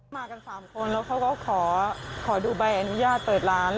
มากัน๓คนเขาก็ขอดูใบอนุญาต๓ร้าน